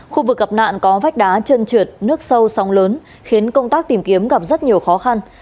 khu vực gặp nạn có vách đá chân trượt nước sâu sóng lớn khiến công tác tìm kiếm gặp rất nhiều khó khăn